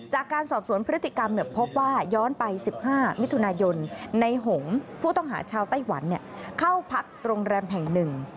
จากการสอบสวนพฤติกรรมพบว่าย้อนไป๑๕มิถุนายนในหงผู้ต้องหาชาวไต้หวันเข้าพักโรงแรมแห่งหนึ่ง